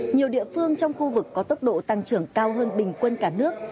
nhiều địa phương trong khu vực có tốc độ tăng trưởng cao hơn bình quân cả nước